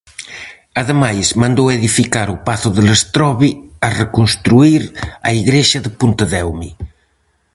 Ademais mandou edificar o pazo de Lestrobe a reconstruír a igrexa de Pontedeume.